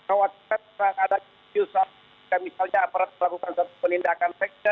ada kewajiban ada misalnya aparat melakukan suatu penindakan seks